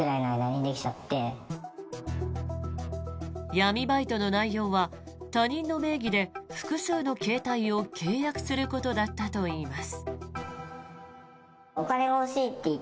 闇バイトの内容は他人の名義で複数の携帯を契約することだったといいます。